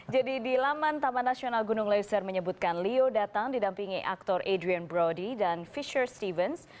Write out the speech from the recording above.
jadi di laman taman nasional gunung leser menyebutkan leo datang didampingi aktor adrian brody dan fisher stevens